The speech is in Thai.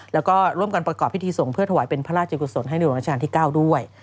แล้วก็ร่วมกันประกอบพิธีส่งเพื่อถวายเป็นพระราชกุศลให้ในหลวงราชการที่๙ด้วย